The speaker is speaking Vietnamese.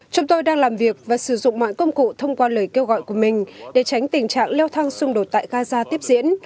chúng tôi đang làm việc và sử dụng mọi công cụ thông qua lời kêu gọi của mình để tránh tình trạng leo thang xung đột tại gaza tiếp diễn